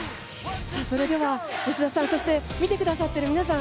それでは、吉田さん見てくださっている皆さん。